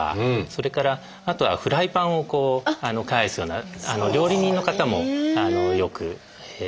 それからあとはフライパンを返すような料理人の方もよく痛みが出ます。